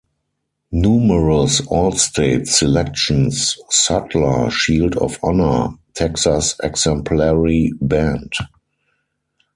Numerous All-State Selections, Sudler Shield of Honor, Texas Exemplary Band.